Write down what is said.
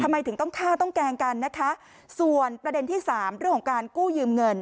ทำไมถึงต้องฆ่าต้องแกล้งกันนะคะส่วนประเด็นที่สามเรื่องของการกู้ยืมเงิน